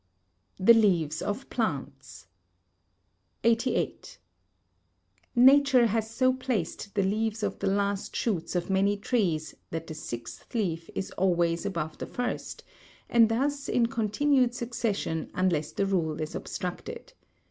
[Sidenote: The Leaves of Plants] 88. Nature has so placed the leaves of the latest shoots of many trees that the sixth leaf is always above the first, and thus in continued succession unless the rule is obstructed.